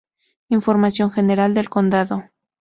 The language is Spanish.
Información general del condado